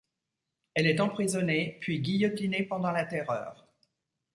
Elle est emprisonnée, puis guillotinée pendant la terreur.